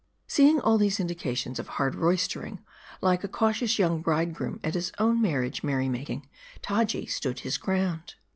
Seeing all these indications of hard roystering ; like a MARDI. 331 cautious young bridegroom at his. own marriage merry making, Taji stood on his guard.